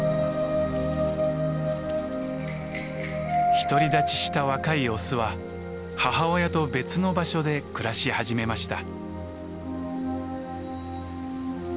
独り立ちした若いオスは母親と別の場所で暮らし始めました。